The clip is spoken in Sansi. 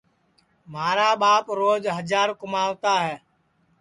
مھارا ٻاپ روج ہجار کُموتا ہے